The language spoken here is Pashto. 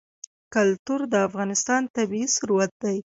کلتور د افغانستان طبعي ثروت دی.